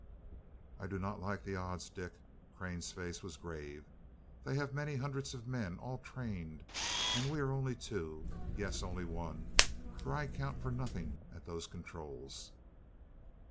"I do not like the odds, Dick," Crane's face was grave. "They have many hundreds of men, all trained; and we are only two. Yes, only one, for I count for nothing at those controls."